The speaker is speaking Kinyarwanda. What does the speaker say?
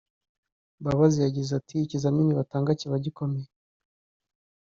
Mbabazi yagize ati ”Ikizamini batanga kiba gikomeye